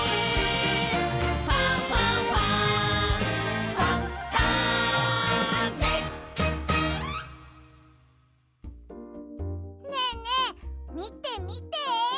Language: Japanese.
「ファンファンファン」ねえねえみてみて！